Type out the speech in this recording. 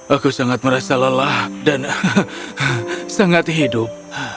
aku sangat merasa lelah dan sangat hidup